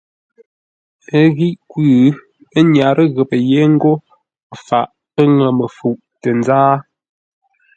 Ə́ ghíʼ kwʉ́, ə́ nyárə́ ghəpə́ yé ńgó faʼ pə́ ŋə́ məfuʼ tə nzáa.